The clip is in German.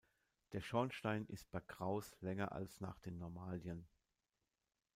Der Schornstein ist bei Krauss länger als nach den Normalien.